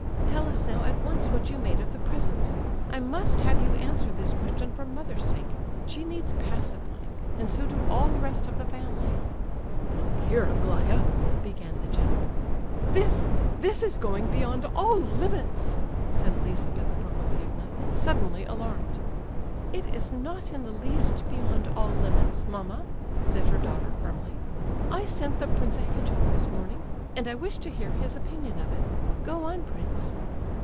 "Tell us now, at once, what you made of the present? I must have you answer this question for mother's sake; she needs pacifying, and so do all the rest of the family!" "Look here, Aglaya—" began the general. "This—this is going beyond all limits!" said Lizabetha Prokofievna, suddenly alarmed. "It is not in the least beyond all limits, mamma!" said her daughter, firmly. "I sent the prince a hedgehog this morning, and I wish to hear his opinion of it. Go on, prince."